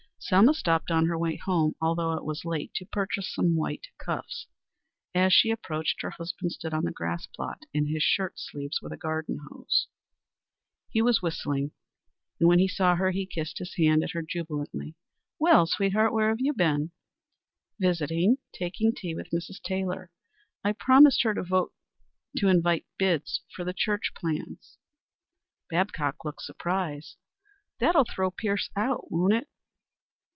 Selma stopped on her way home, although it was late, to purchase some white cuffs. As she approached, her husband stood on the grass plot in his shirt sleeves with a garden hose. He was whistling, and when he saw her he kissed his hand at her jubilantly, "Well, sweetheart, where you been?" "Visiting. Taking tea with Mrs. Taylor. I've promised her to vote to invite bids for the church plans." Babcock looked surprised. "That'll throw Pierce out, won't it?"